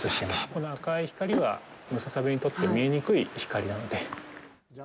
この赤い光はムササビにとって見えにくい光なので。